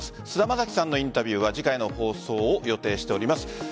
菅田将暉さんのインタビューは次回の放送を予定しています。